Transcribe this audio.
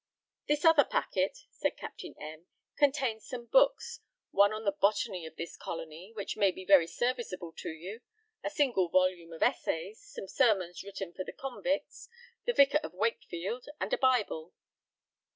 "This other packet," said Captain M , "contains some books: one on the botany of this colony, which may be very serviceable to you; a single volume of essays, some sermons written for the convicts, the Vicar of Wakefield, and a Bible."